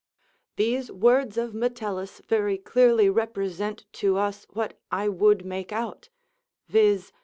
These words of Metellus very clearly represent to us what I would make out, viz.